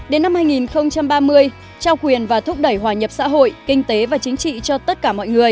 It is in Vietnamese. một mươi hai đến năm hai nghìn ba mươi trao quyền và thúc đẩy hòa nhập xã hội kinh tế và chính trị cho tất cả mọi người